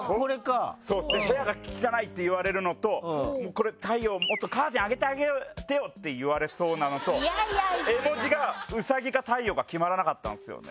部屋が汚いって言われるのとこれもっとカーテン開けてあげてって言われそうなのと絵文字がウサギか太陽か決まらなかった。